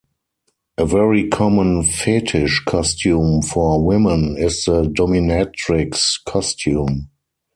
A very common fetish costume for women is the dominatrix costume.